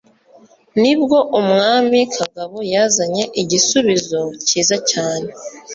Nibwo Umwami Kagabo yazanye igisubizo cyiza cyane